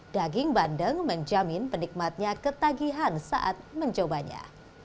daging bandeng menjamin penikmatnya ketagihan saat mencobanya